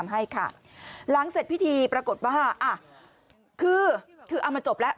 หลังเสร็จพิธีปรากฏว่าที่เอามาจบแล้ว